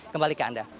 kembali ke anda